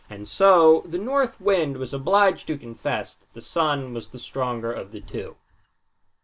And so the North Wind was obliged to confess that the Sun was the stronger of the two.